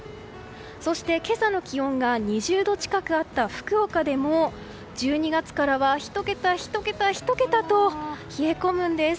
そして今朝の気温が２０度近くあった福岡でも１２月からは１桁、１桁、１桁と冷え込むんです。